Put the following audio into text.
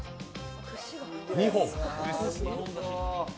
２本！